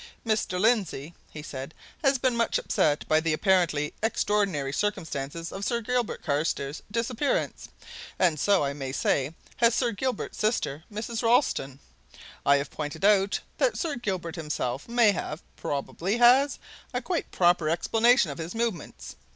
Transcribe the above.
"Mr. Lindsey," he said, "has been much upset by the apparently extraordinary circumstances of Sir Gilbert Carstairs' disappearance and so, I may say, has Sir Gilbert's sister, Mrs. Ralston. I have pointed out that Sir Gilbert himself may have probably has a quite proper explanation of his movements.